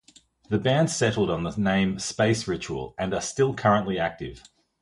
The band settled on the name Space Ritual and are still currently active.